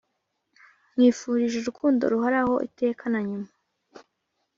nkwifurije urukundo ruhoraho iteka na nyuma